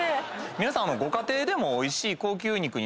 皆さん。